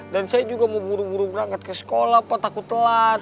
dan saya juga mau buru buru berangkat ke sekolah pak takut telat